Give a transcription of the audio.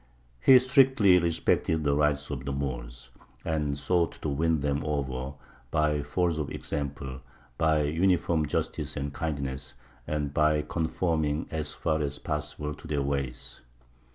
He strictly respected the rights of the Moors, and sought to win them over by force of example, by uniform justice and kindness, and by conforming as far as possible to their ways.